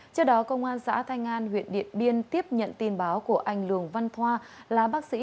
trước đó công an xã thanh an huyện điện biên tiếp nhận tin báo của anh lường văn thoa là bác sĩ